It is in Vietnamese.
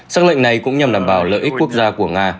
xác lệnh này cũng nhằm đảm bảo lợi ích quốc gia của nga